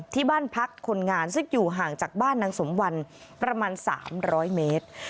ที่บ้านพักคนงานซึ่งอยู่ห่างจากบ้านนางสมวันประมาณ๓๐๐เมตร